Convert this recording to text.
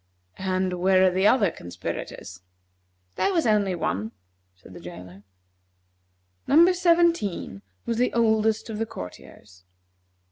"And where are the other conspirators?" "There was only one," said the jailer. Number Seventeen was the oldest of the courtiers.